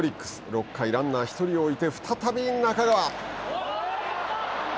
６回ランナーを１人置いて再び中川。